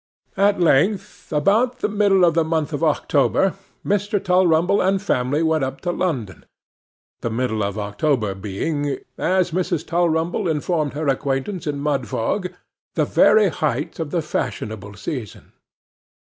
At length, about the middle of the month of October, Mr. Tulrumble and family went up to London; the middle of October being, as Mrs. Tulrumble informed her acquaintance in Mudfog, the very height of the fashionable season.